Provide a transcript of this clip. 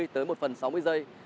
tới một phần sáu mươi giây